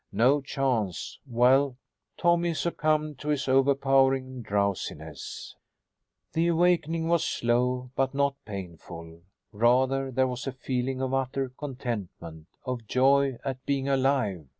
No chance well Tommy succumbed to his overpowering drowsiness. The awakening was slow, but not painful. Rather there was a feeling of utter contentment, of joy at being alive.